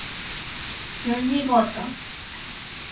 Junji Goto